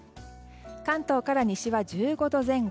関東から西は１５度前後。